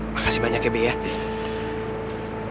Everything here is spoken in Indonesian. makasih banyak ya be